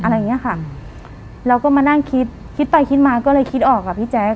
อะไรอย่างเงี้ยค่ะแล้วก็มานั่งคิดคิดไปคิดมาก็เลยคิดออกอ่ะพี่แจ๊ค